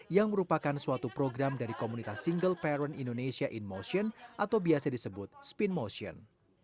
yang merupakan suatu program dari komunitas single parent indonesia in motion atau biasa disebut spin motion